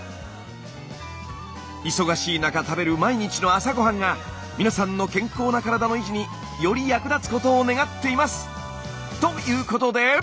忙しい中食べる毎日の朝ごはんが皆さんの健康な体の維持により役立つことを願っています！ということで！